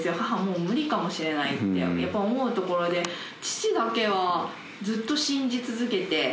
母、もう無理かもしれないってやっぱ思うところで、父だけはずっと信じ続けて。